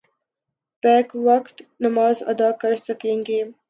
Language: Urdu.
بیک وقت نماز ادا کر سکیں گے